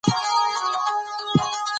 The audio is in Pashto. زه بخښنه غوښتل بد نه ګڼم.